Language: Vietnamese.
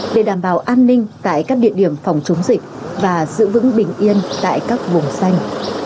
để đảm bảo an ninh tại các địa điểm phòng chống dịch và giữ vững bình yên tại các vùng xanh